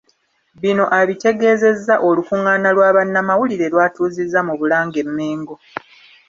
Bino abitegeezezza olukungaana lwa bannamawulire lw’atuuzizza mu Bulange e Mmengo